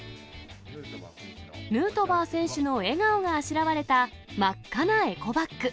ヌートバー選手の笑顔があしらわれた真っ赤なエコバッグ。